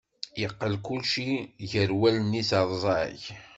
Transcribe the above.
Yeqqel kulci gar wallen-is rẓag.